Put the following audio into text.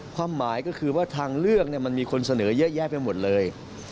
ความหมายก็คือว่าทางเลือกมันมีคนเสนอเยอะแยะไปหมดเลย